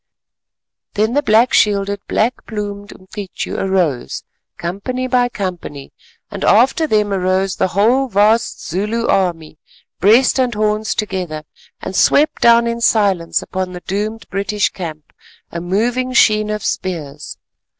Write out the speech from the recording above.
Then the black shielded, black plumed Umcityu arose, company by company, and after them arose the whole vast Zulu army, breast and horns together, and swept down in silence upon the doomed British camp, a moving sheen of spears.